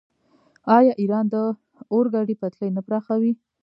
آیا ایران د اورګاډي پټلۍ نه پراخوي؟